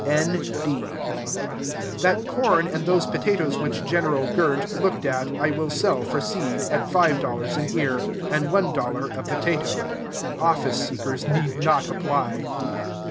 N. B. That corn and those potatoes which General Gr nt looked at I will sell for seed, at five dollars an ear, and one dollar a potato. Office seekers need not apply.